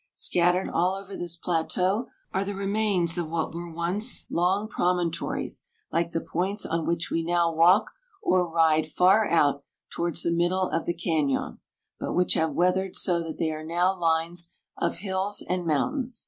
Scattered all over this plateau are the remains of what were once long promontories like the points on which we now walk or ride far out towards the middle of the cañon, but which have weathered so that they are now lines of hills and mountains.